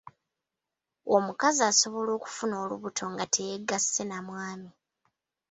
Omukazi asobola okufuna olubuto nga teyegasse na mwami.